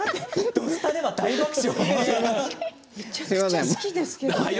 「土スタ」では大爆笑ですよ。